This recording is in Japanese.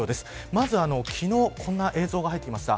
まず昨日こんな映像が入ってきました。